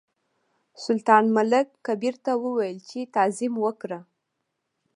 سلطان ملک کبیر ته وویل چې تعظیم وکړه.